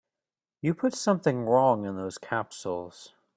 You put something wrong in those capsules.